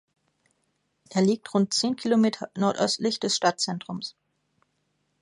Er liegt rund zehn Kilometer nordöstlich des Stadtzentrums.